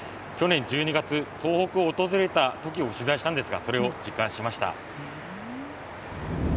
去年１２月、東北を訪れたときを取材したんですが、それを実感しました。